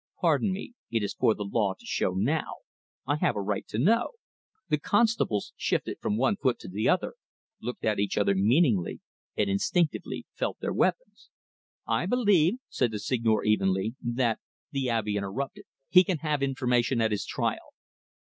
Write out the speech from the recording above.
"Pardon me; it is for the law to show now. I have a right to know." The constables shifted from one foot to the other, looked at each other meaningly, and instinctively felt their weapons. "I believe," said the Seigneur evenly, "that " The Abbe interrupted. "He can have information at his trial."